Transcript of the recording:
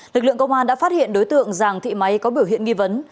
lực lượng công an đã phát hiện đối tượng giàng thị máy có biểu hiện nghi vấn